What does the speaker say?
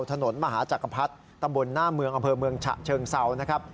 ถนนมหาจักรพรรดิตำบลหน้าเมืองอำเภอเมืองฉะเชิงเซานะครับ